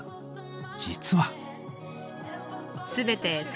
実は。